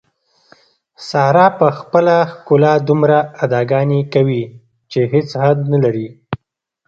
ساره په خپله ښکلا دومره اداګانې کوي، چې هېڅ حد نه لري.